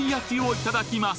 いただきます。